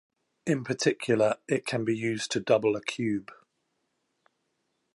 In particular, it can be used to double a cube.